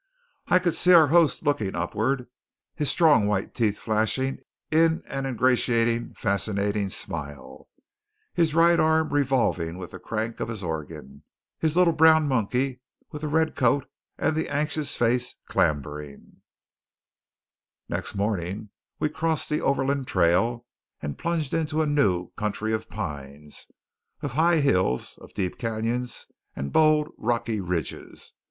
I could see our host looking upward, his strong white teeth flashing in an ingratiating fascinating smile, his right arm revolving with the crank of his organ, his little brown monkey with the red coat and the anxious face clambering Next morning we crossed the Overland Trail, and plunged into a new country of pines, of high hills, of deep cañons, and bold, rocky ridges.